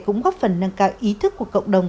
cũng góp phần nâng cao ý thức của cộng đồng